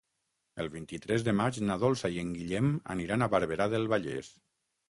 El vint-i-tres de maig na Dolça i en Guillem aniran a Barberà del Vallès.